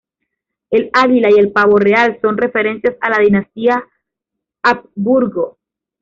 El águila y el pavo real son referencias a la dinastía Habsburgo.